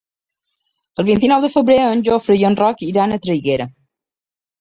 El vint-i-nou de febrer en Jofre i en Roc iran a Traiguera.